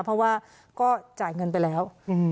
เพราะว่าก็จ่ายเงินไปแล้ว